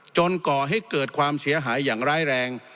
ก่อให้เกิดความเสียหายอย่างร้ายแรง